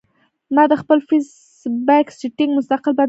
ما د خپل فېس بک سېټنګ مستقل بدل کړۀ